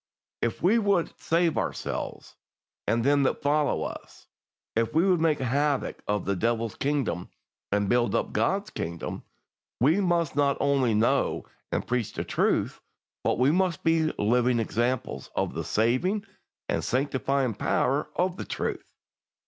If we would save ourselves and them that follow us, if we would make havoc of the Devil's kingdom and build up God's kingdom, we must not only know and preach the truth, but we must be living examples of the saving and sanctifying power of the truth.